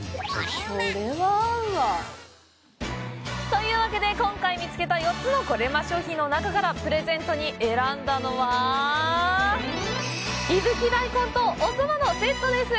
これは合うわ。というわけで、今回見つけた４つのコレうま商品の中からプレゼントに選んだのは伊吹大根とお蕎麦のセットです！